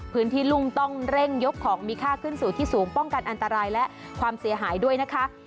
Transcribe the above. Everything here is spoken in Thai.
ลุงต้องเร่งยกของมีค่าขึ้นสู่ที่สูงป้องกันอันตรายและความเสียหายด้วยนะคะ